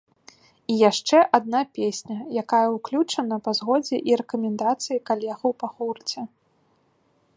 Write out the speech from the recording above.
І яшчэ адна песня, якая ўключана па згодзе і рэкамендацыі калегаў па гурце.